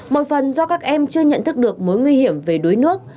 một phần do các em chưa nhận thức được mối nguy hiểm về đuối nước